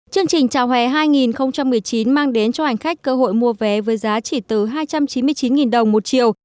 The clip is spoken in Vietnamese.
chương trình chào hè hai nghìn một mươi chín mang đến cho hành khách cơ hội mua vé với giá chỉ từ hai trăm chín mươi chín đồng một triệu